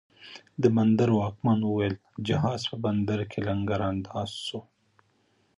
د بندر واکمن اوویل، جهاز په بندر کې لنګر انداز سو